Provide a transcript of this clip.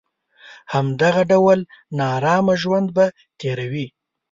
همدغه ډول نارامه ژوند به تېروي.